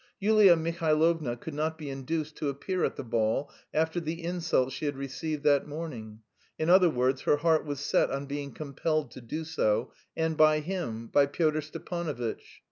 Yulia Mihailovna could not be induced to appear at the ball "after the insults she had received that morning"; in other words, her heart was set on being compelled to do so, and by him, by Pyotr Stepanovitch.